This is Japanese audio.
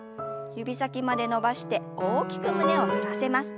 指先まで伸ばして大きく胸を反らせます。